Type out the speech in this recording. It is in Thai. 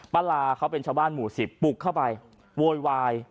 ลาเขาเป็นชาวบ้านหมู่๑๐ปลุกเข้าไปโวยวาย